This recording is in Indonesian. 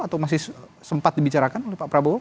atau masih sempat dibicarakan oleh pak prabowo